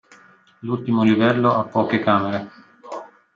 L'ultimo livello ha poche camere.